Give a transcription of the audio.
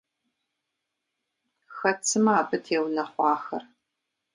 Хэт сымэ абы теунэхъуахэр?